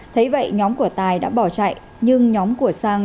thấy vậy nhóm của tài đã bỏ chạy nhưng nhóm của sang